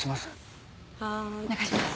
お願いします。